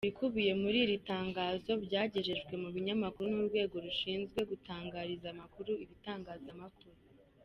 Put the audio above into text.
Ibikubiye muri iri tangazo byagejejwe mu binyamakuru n’Urwego rushinzwe gutangariza amakuru ibitangazamakuru.